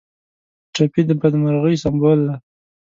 ټپي د بدمرغۍ سمبول دی.